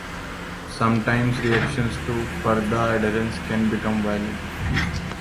Sometimes reactions to purdah adherence can become violent.